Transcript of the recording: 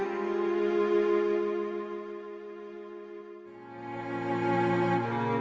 mau beli rotan